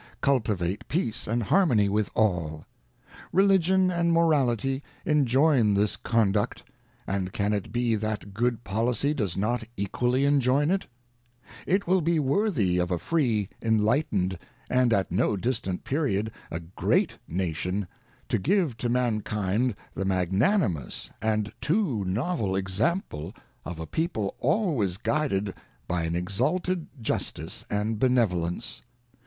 Cultivate peace and harmony with | all. ŌĆö Religion and Morality enjoin this con i duct *, and can it be that good policy does not equally enjoin it ? ŌĆö It will be worthy of a free, enlightened, and, at no distant period, a great nation, to give to mankind the mag nanimous and too novel example of a People always guided by an exalted justice and benevolence.